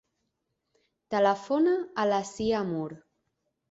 Telefona a la Sia Mur.